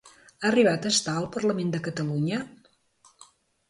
Ha arribat a estar al Parlament de Catalunya?